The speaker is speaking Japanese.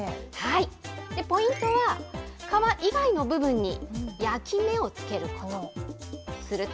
ポイントは、皮以外の部分に焼き目をつけること。